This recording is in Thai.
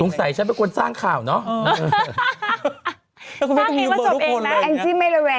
ตรงสัยฉันเป็นคนสร้างข่าวเนอะ